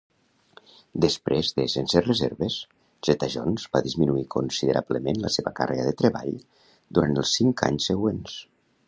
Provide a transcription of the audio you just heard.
Després de "Sense Reserves", Zeta-Jones va disminuir considerablement la seva càrrega de treball durant els cinc anys següents.